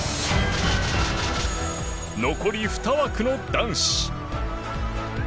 残り２枠の男子。